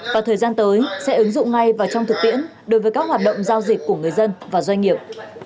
và thời gian tới sẽ ứng dụng ngay và trong thực tiễn đối với các hoạt động giao dịch của người dân và doanh nghiệp